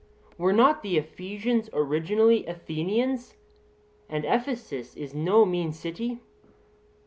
Were not the Ephesians originally Athenians, and Ephesus is no mean city?